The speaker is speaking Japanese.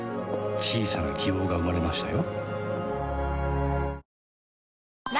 小さな希望が生まれましたよ